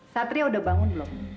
satria udah bangun belum